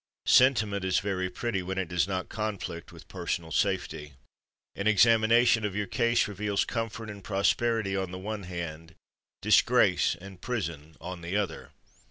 "Sentiment is very pretty when it does not conflict with personal safety. An examination of your case reveals comfort and prosperity on the one hand, disgrace and prison on the other."